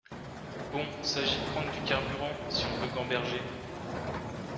Bon, s’agit de prendre du carburant, si on veut gamberger.